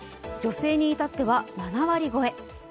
女性に至っては７割超え。